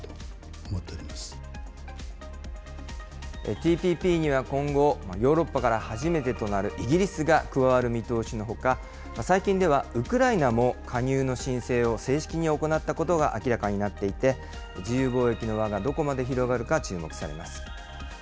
ＴＰＰには今後、ヨーロッパから初めてとなるイギリスが加わる見通しのほか、最近ではウクライナも加入の申請を正式に行ったことが明らかになっていて、自由貿易の輪がどこまで広がるかが注目されます。